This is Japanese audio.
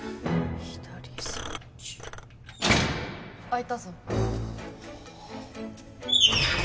開いたぞ。